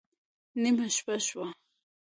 نېمه شپه شوه